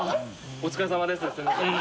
お疲れさまです。